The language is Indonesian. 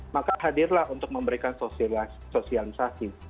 maka hadirlah untuk memberikan sosialisasi